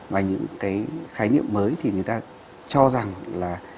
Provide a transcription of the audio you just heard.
và những cái khái niệm mới thì người ta cho rằng là